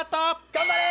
頑張れ！